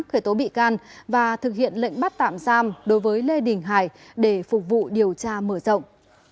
khởi tố bị can và thực hiện lệnh bắt tạm giam đối với lê đình hải để phục vụ điều tra mở rộng